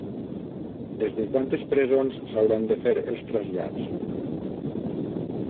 Des de quantes presons s'hauran de fer els trasllats?